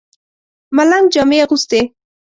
ملنګ جامې اغوستې.